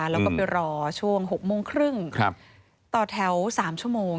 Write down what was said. แล้วก็ไปรอช่วง๖โมงครึ่งต่อแถว๓ชั่วโมง